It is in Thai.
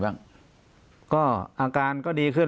ปากกับภาคภูมิ